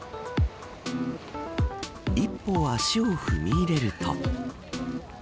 一歩足を踏み入れると。